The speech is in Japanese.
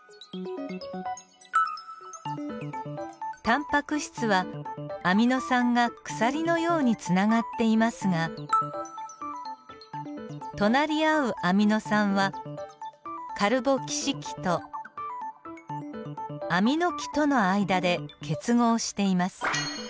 タンパク質はアミノ酸が鎖のようにつながっていますが隣り合うアミノ酸はカルボキシ基とアミノ基との間で結合しています。